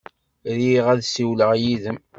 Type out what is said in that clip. Riɣ ad ssiwleɣ yid-m.